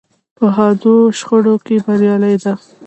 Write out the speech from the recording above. په حادو شخړو کې بریالۍ ده.